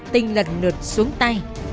tinh lật lượt xuống tay